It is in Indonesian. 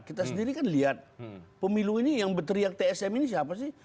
kita sendiri kan lihat pemilu ini yang berteriak tsm ini siapa sih